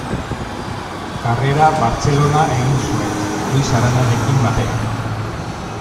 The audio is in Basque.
Karrera Bartzelona egin zuen, Luis Aranarekin batera.